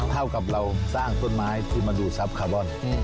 เท่ากับเราสร้างต้นไม้ที่มาดูทรัพย์คาร์บอน